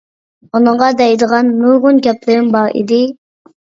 ئۇنىڭغا دەيدىغان نۇرغۇن گەپلىرىم بار ئىدى.